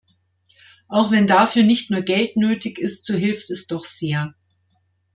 Auch wenn dafür nicht nur Geld nötig ist, so hilft es doch sehr!